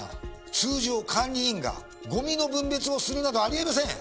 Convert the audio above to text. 通常管理員がゴミの分別をするなどあり得ません。